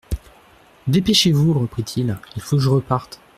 Dépêchez-vous, reprit-il, il faut que je reparte.